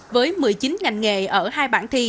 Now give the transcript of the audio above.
với một mươi chín ngành nghề ở hai bảng thi